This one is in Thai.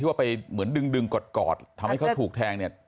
ที่ว่าไปดึงกดกอดทำให้เขาถูกแทง